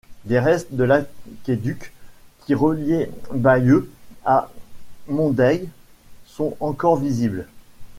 Des restes de l'aqueduc qui reliait Bayeux à Mondaye sont encore visibles.